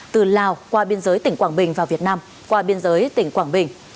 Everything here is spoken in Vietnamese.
từ lào qua biên giới tỉnh quảng bình và việt nam qua biên giới tỉnh quảng bình